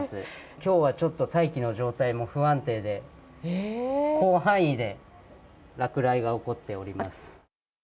きょうはちょっと大気の状態も不安定で、広範囲で落雷が起こっております。